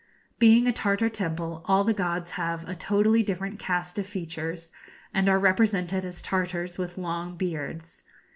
Being a Tartar temple, all the gods have a totally different cast of features, and are represented as Tartars with long beards.